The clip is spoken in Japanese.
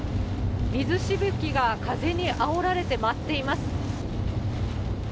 水しぶきが風にあおられて舞っています。